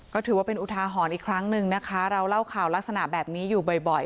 ก็ถือว่าเป็นอุทาหรณ์อีกครั้งหนึ่งนะคะเราเล่าข่าวลักษณะแบบนี้อยู่บ่อย